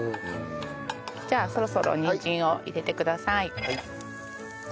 じゃあそろそろにんじんを入れてください。